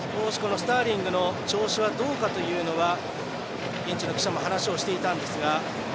スターリングの調子はどうかというのは現地の記者も話をしていたんですが。